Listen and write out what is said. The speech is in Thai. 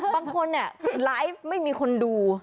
บางคนไงไลฟ์ไม่มีคนดู